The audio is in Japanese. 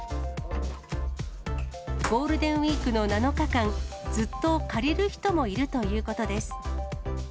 ゴールデンウィークの７日間、ずっと借りる人もいるということです。